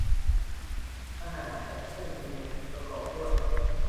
เนื้อหาของคู่มือประกอบด้วย